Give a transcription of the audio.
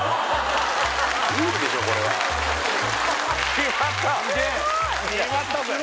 決まったぜ